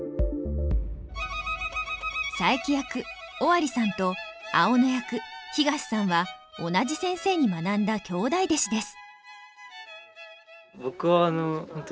佐伯役尾張さんと青野役東さんは同じ先生に学んだ兄弟弟子です。